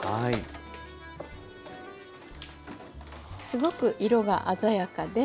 すごく色が鮮やかで。